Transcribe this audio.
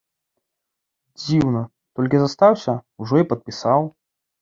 Дзіўна, толькі застаўся, ужо і падпісаў.